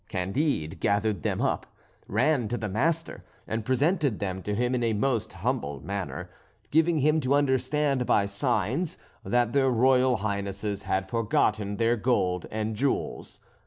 Candide gathered them up, ran to the master, and presented them to him in a most humble manner, giving him to understand by signs that their royal highnesses had forgotten their gold and jewels.